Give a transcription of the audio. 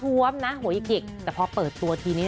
หัวหิกแต่พอเปิดตัวทีนี่